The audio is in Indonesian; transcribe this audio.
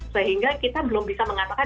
sehingga kita belum bisa mengatakan